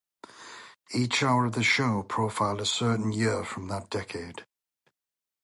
Each hour of the show profiled a certain year from that decade.